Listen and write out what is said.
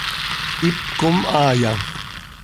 ¿Hipcom haaya?